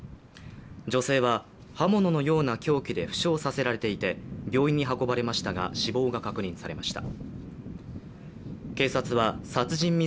女性は刃物のような凶器で負傷させられていて病院に運ばれましたが死亡が確認されました。